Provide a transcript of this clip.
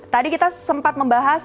tadi kita sempat membahas